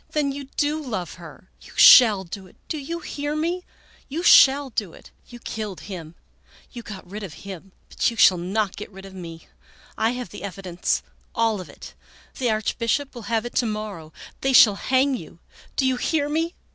" Then you do love her ! You shall do it ! Do you hear me ? You shall do it ! You killed him ! You got rid of him ! but you shall not get rid of me. I have the evidence, all of it. The Archbishop will have it to morrow. They shall hang you ! Do you hear me